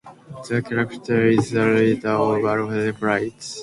The character is the leader of Alpha Flight.